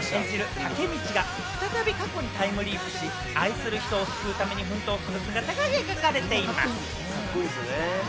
タケミチが再び過去にタイムリープし、愛する人を救うために奮闘する姿が描かれています。